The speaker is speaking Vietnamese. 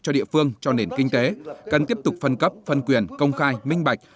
cho địa phương cho nền kinh tế cần tiếp tục phân cấp phân quyền công khai minh bạch